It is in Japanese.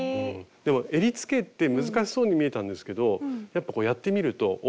でもえりつけって難しそうに見えたんですけどやっぱやってみると覚えるとすごく楽しいですね。